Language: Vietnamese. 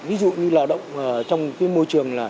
ví dụ như là lao động trong cái môi trường là